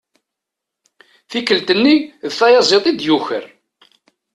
Tikkelt-nni d tayaẓiḍt i d-yuker.